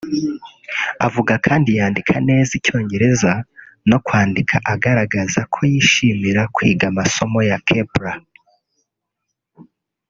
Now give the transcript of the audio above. avuga kandi yandika neza icyongereza no kwandika agaragaza ko yishimira kwiga amasomo ya Kepler